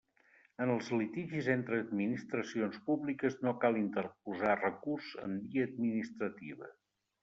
En els litigis entre administracions públiques no cal interposar recurs en via administrativa.